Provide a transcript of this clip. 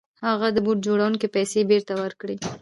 هغه د بوټ جوړوونکي پيسې بېرته ورکړې.